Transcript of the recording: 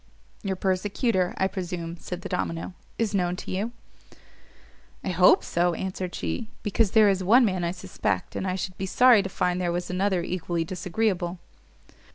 "Your persecutor, I presume," said the domino, "is known to you." "I hope so," answered she, "because there is one man I suspect, and I should be sorry to find there was another equally disagreeable."